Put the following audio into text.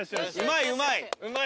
うまいうまい。